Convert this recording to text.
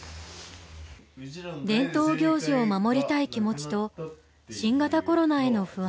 伝統行事を守りたい気持ちと新型コロナへの不安。